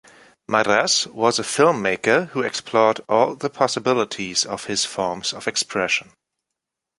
Madrás was a filmmaker who explored all the possibilities of his forms of expression.